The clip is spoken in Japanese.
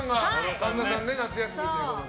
神田さんが夏休みということで。